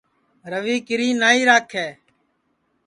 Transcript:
روی کیری نائی راکھے